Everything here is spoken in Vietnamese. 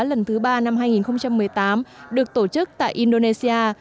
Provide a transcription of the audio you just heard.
lần thứ ba năm hai nghìn một mươi tám được tổ chức tại indonesia